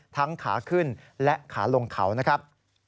ขาขึ้นและขาลงเขานะครับ